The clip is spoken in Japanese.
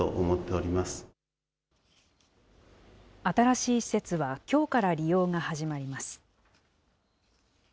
新しい施設は、きょうから利用が始まります。